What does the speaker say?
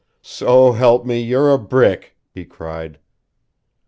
"So help me, you're a brick!" he cried.